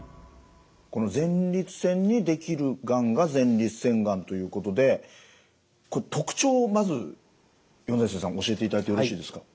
この前立腺に出来るがんが前立腺がんということでこれ特徴をまず米瀬さん教えていただいてよろしいですか？